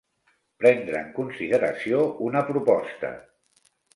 Prendre en consideració una proposta.